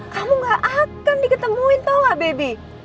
kamu gak akan diketemuin tau gak baby